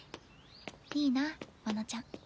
いいな真野ちゃん。